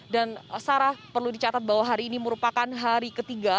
dan sarah perlu dicatat bahwa hari ini merupakan hari ketiga